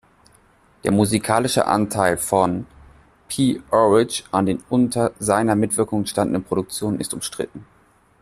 Der musikalische Anteil von P-Orridge an den unter seiner Mitwirkung entstandenen Produktionen ist umstritten.